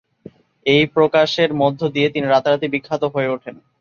এই প্রকাশের মধ্য দিয়েই তিনি রাতারাতি বিখ্যাত হয়ে উঠেন।